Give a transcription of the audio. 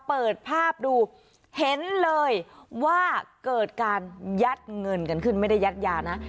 เปิดภาพดูเห็นเลยว่าเกิดการยัดเงินกันขึ้นไม่ได้ยัดยานะ